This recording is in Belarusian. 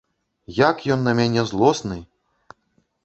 Як ён на мяне злосны!